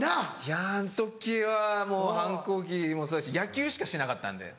あの時はもう反抗期もそうだし野球しかしてなかったんで。